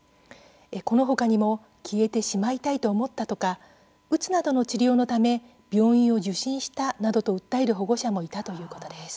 この他にも消えてしまいたいと思った、とかうつなどの治療のため病院を受診した、などと訴える保護者もいたということです。